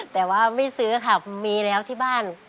แต่ว่าไม่ซื้อค่ะมีแล้วที่บ้าน